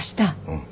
うん。